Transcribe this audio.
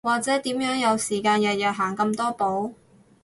或者點樣有時間日日行咁多步